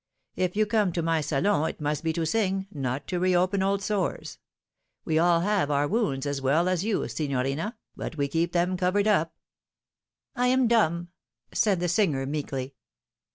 If you come to my salon it must be to sing, not to reopen old sores. We all have our wounds as well as you, signorina, but we keep them covered up." " I am dumb," said the singer meekly.